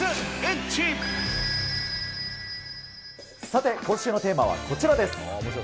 さて、今週のテーマはこちらです。